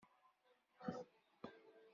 Lhu-d d tezmert-im.